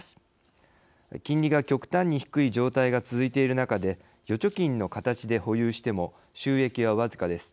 金利が極端に低い状態が続いている中で預貯金の形で保有しても収益はわずかです。